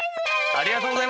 ありがとうございます！